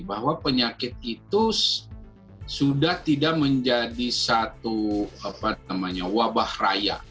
bahwa penyakit itu sudah tidak menjadi satu wabah raya